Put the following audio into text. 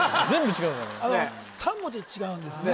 お前３文字違うんですね